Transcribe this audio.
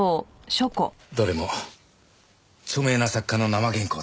どれも著名な作家の生原稿だ。